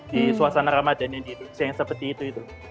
di suasana ramadan yang seperti itu